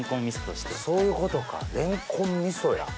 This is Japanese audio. そういうことかレンコン味噌や。